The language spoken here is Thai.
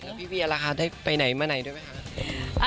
แล้วพี่เวียล่ะคะได้ไปไหนมาไหนด้วยไหมคะ